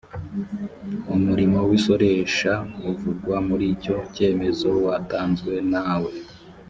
umurimo w’isoresha uvugwa muri icyo cyemezo watanzwe na we